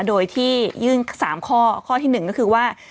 โดยที่ยื่น๓ข้อข้อที่๑ก็คือว่า